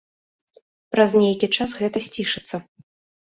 Праз нейкі час гэта сцішыцца.